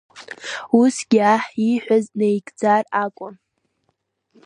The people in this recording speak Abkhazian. Усгьы аҳ ииҳәаз наигӡар акәын.